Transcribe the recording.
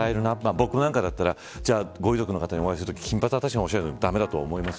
僕なんかだったらご遺族の方にお会いするとき金髪は確かに、おっしゃるように駄目だと思います。